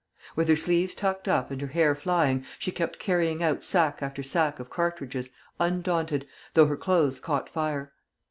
With her sleeves tucked up, and her hair flying, she kept carrying out sack after sack of cartridges, undaunted, though her clothes caught fire.